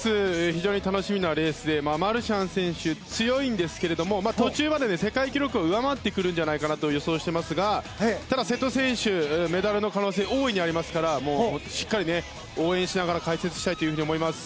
非常に楽しみなレースでマルシャン選手強いんですけれども途中までで世界記録を上回ってくると予想していますがただ、瀬戸選手はメダルの可能性が大いにありますからしっかり応援しながら解説したいと思います。